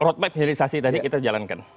roadmap hilirisasi tadi kita jalankan